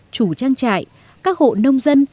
chủ trang trại các hộ nông dân